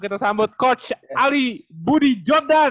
kita sambut coach ali budi jordan